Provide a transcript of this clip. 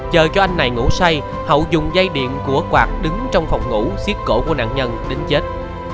chờ cho anh này ngủ say hậu dùng dây điện của quạt đứng trong phòng ngủ xiết cổ của nạn nhân đến chết